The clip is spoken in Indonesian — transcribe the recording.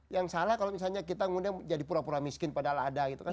yang salah kalau misalnya kita jadi pura pura miskin padahal ada gitu kan